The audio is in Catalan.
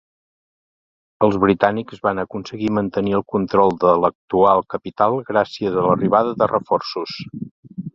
Els britànics van aconseguir mantenir el control de l'actual capital gràcies a l'arribada de reforços.